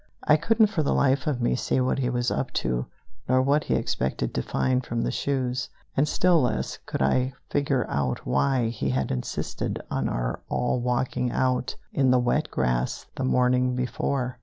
I couldn't for the life of me see what he was up to nor what he expected to find from the shoes; and still less could I figure out why he had insisted on our all walking out in the wet grass the morning before.